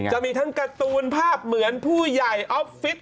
จะมีทั้งการ์ตูนภาพเหมือนผู้ใหญ่ออฟฟิศ